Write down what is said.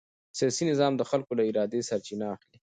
سیاسي نظام د خلکو له ارادې سرچینه اخلي